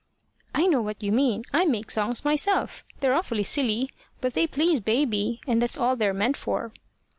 "I know what you mean. I make songs myself. They're awfully silly, but they please baby, and that's all they're meant for."